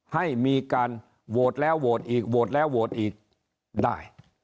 ให้มีการโหวตแล้วโหวตอีกโหวตแล้วโหวตอีกได้